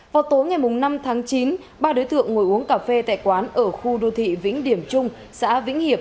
vào tối ngày năm tháng chín ba đối tượng ngồi uống cà phê tại quán ở khu đô thị vĩnh điểm trung xã vĩnh hiệp